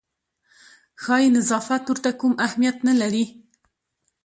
ښایي نظافت ورته کوم اهمیت نه لري.